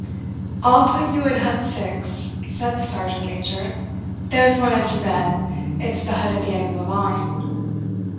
"I'll put you in Hut 6," said the Sergeant Major. "There's one empty bed. It's the hut at the end of the line."